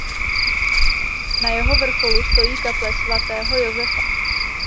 Na jeho vrcholu stojí kaple svatého Josefa.